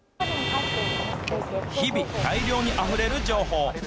日々、大量にあふれる情報。